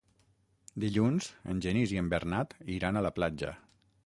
Dilluns en Genís i en Bernat iran a la platja.